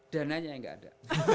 dananya gak ada